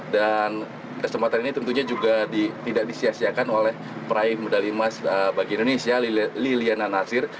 dan kesempatan ini tentunya juga tidak disiasiakan oleh praim medali mas bagi indonesia liliana nasir